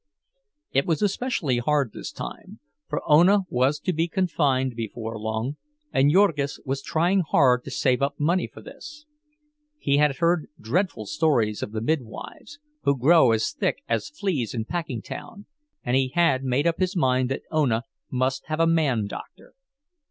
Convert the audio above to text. It was especially hard this time, for Ona was to be confined before long, and Jurgis was trying hard to save up money for this. He had heard dreadful stories of the midwives, who grow as thick as fleas in Packingtown; and he had made up his mind that Ona must have a man doctor.